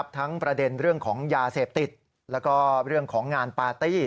ประเด็นเรื่องของยาเสพติดแล้วก็เรื่องของงานปาร์ตี้